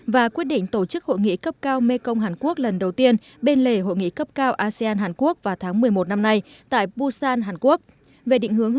và quyết định tổ chức hội nghị cấp cao mekong hàn quốc lần đầu tiên bên lề hội nghị cấp cao asean hàn quốc vào tháng một mươi một năm nay tại busan hàn quốc